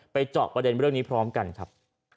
เจาะประเด็นเรื่องนี้พร้อมกันครับ